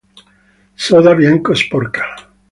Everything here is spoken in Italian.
Soda, bianco-sporca.